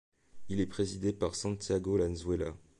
Il est présidé par Santiago Lanzuela.